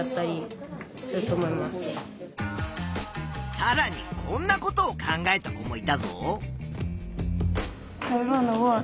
さらにこんなことを考えた子もいたぞ。